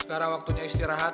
sekarang waktunya istirahat